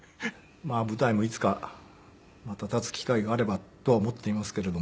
舞台もいつかまた立つ機会があればとは思っていますけれども。